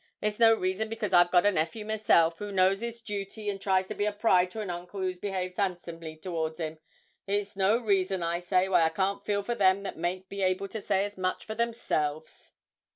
It's no reason because I've got a nephew myself, who knows his duty and tries to be a pride to an uncle who's behaved handsomely towards him, it's no reason, I say, why I can't feel for them that mayn't be able to say as much for themselves.'